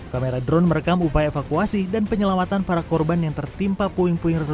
kamera drone merekam upaya evakuasi dan penyelamatan para korban yang tertimpa puing puing